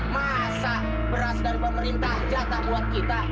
masak beras dari pemerintah jatah buat kita